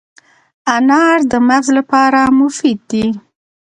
انار د مغز لپاره مفید دی.